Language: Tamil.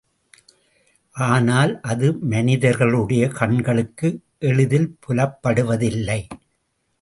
ஆனால், அது மனிதர்களுடைய கண்களுக்கு எளிதில் புலப்படுவதில்லை.